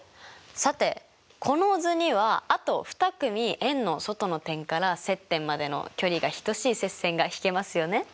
さてこの図にはあと２組円の外の点から接点までの距離が等しい接線がひけますよね？